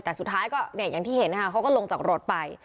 แต่สุดท้ายก็เนี่ยอย่างที่เห็นนะคะเขาก็ลงจากรถไป